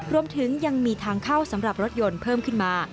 รวมถึงยังมีทางเข้าสำหรับรถยนต์เพิ่มขึ้นมา